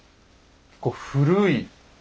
こう古い。